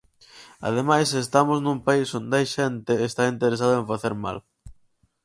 Ademais, estamos nun país onde hai xente está interesada en facer mal.